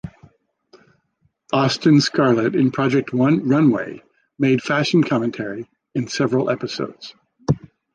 Austin Scarlett of "Project Runway" made fashion commentary in several episodes.